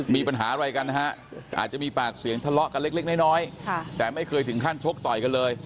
มีปัญหาอะไรกันนะฮะอาจจะมีปากเสียงทะเลาะกันเล็กน้อยแต่ไม่เคยถึงขั้นชกต่อยกันเลย